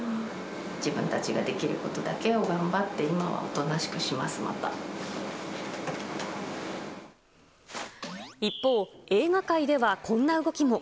自分たちができることだけを頑張って今はおとなしくします、一方、映画界ではこんな動きも。